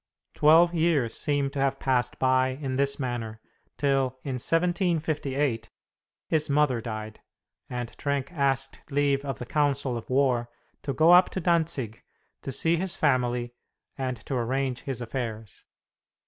Twelve years seem to have passed by in this manner, till, in 1758, his mother died, and Trenck asked leave of the council of war to go up to Dantzic to see his family and to arrange his affairs.